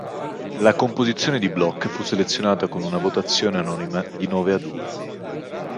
La composizione di Bloch fu selezionata con una votazione anonima di nove a due.